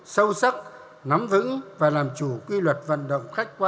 sâu sắc nắm vững và làm chủ quy luật vận động khách quan